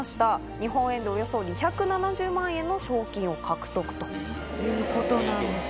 日本円でおよそ２７０万円の賞金を獲得ということなんですね。